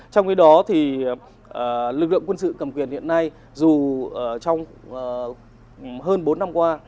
trong khi đó thì lực lượng quân sự cầm quyền hiện nay dù trong hơn bốn năm qua